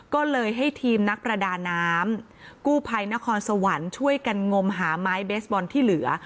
ก็เลยให้ทีมนักประดาน้ำกู้ภัยนครสวรรค์ช่วยกันงมหาไม้เบสบอลที่เหลือ